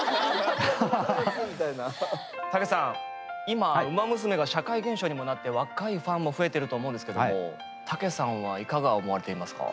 今「ウマ娘」が社会現象にもなって若いファンも増えてると思うんですけども武さんはいかが思われていますか？